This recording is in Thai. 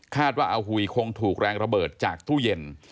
ว่าอาหุยคงถูกแรงระเบิดจากตู้เย็น